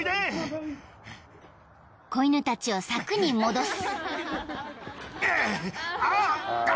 ［子犬たちを柵に戻す］